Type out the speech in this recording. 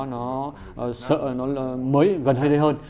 nó mới gần hơn đây hơn